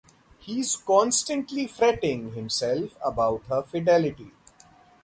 He is constantly fretting himself about her fidelity.